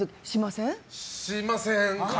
しません？